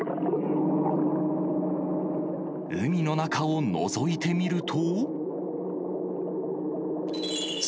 海の中をのぞいてみると。